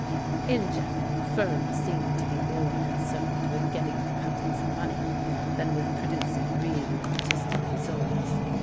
In general, firms seem to be more concerned with getting the public's money than with producing really artistic results.